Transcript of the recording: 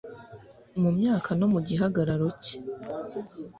mumyaka no mugihagararo cye